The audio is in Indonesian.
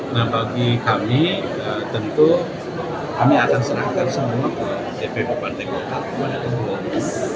nah bagi kami tentu kami akan serahkan semua ke dp bupan teknologi bupan teknologi